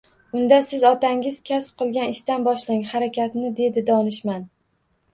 Unda siz otangiz kasb qilgan ishdan boshlang harakatni, dedi donishmand